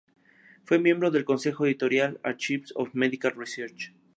Fue miembro del consejo editorial de "Archives of Medical Research".